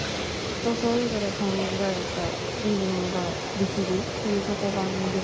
人それぞれ考えたリズムができるっていうとこが魅力。